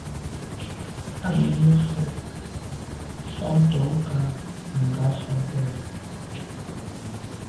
Á wʉ́ Nùmí fə̀ ə́ fáŋ ntɔ́ nkáà Nùgà fáà bɔ̀.